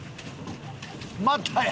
またや。